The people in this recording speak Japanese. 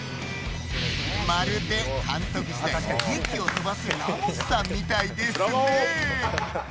まるで監督時代に檄を飛ばすラモスさんみたいですね。